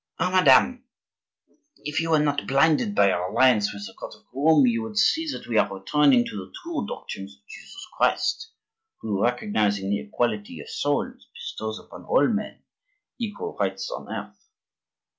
"Ah, madame, if you were not blinded by your alliance with the court of Rome, you would see that we are returning to the true doctrines of Jesus Christ, who, recognizing the equality of souls, bestows upon all men equal rights on earth."